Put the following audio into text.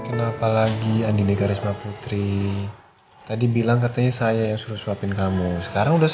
kenapa lagi andi negarisma putri tadi bilang katanya saya yang suruh suapin kamu sekarang udah